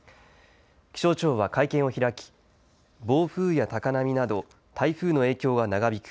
気象庁は会見を開き暴風や高波など台風の影響は長引く。